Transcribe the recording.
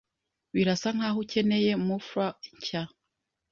Birasa nkaho ukeneye muffler nshya.